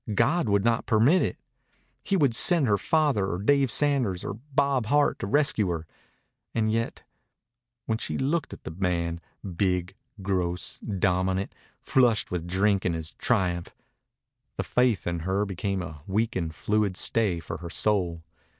God would not permit it. He would send her father or Dave Sanders or Bob Hart to rescue her. And yet when she looked at the man, big, gross, dominant, flushed with drink and his triumph the faith in her became a weak and fluid stay for her soul.